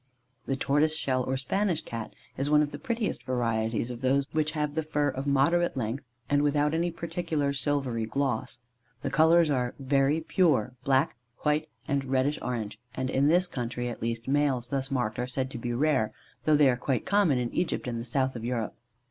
The Tortoise shell or Spanish Cat is one of the prettiest varieties of those which have the fur of moderate length, and without any particular silvery gloss. The colours are very pure, black, white, and reddish orange; and, in this country, at least, males thus marked are said to be rare, though they are quite common in Egypt and the south of Europe.